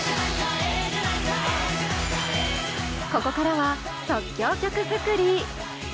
ここからは即興曲作り。